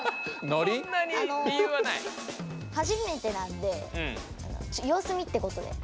はじめてなんでようす見ってことで。